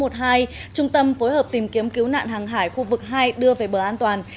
trung tâm phối hợp tìm kiếm cứu nạn hàng hải khu vực hai đưa về bờ an toàn